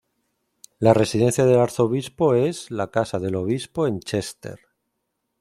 La residencia del arzobispo es la "casa del obispo" en Chester.